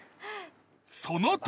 その時！